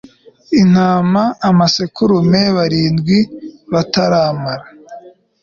intama amasekurume barindwi bataramara